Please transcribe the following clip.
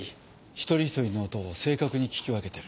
一人一人の音を正確に聞き分けてる。